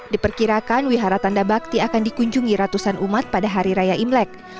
diperkirakan wihara tanda bakti akan dikunjungi ratusan umat pada hari raya imlek